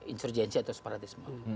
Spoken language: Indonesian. insurgenci atau separatisme